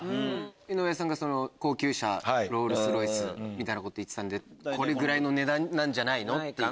井上さんがロールスロイスみたいなこと言ってたんでこれぐらいの値段なんじゃないの？っていう。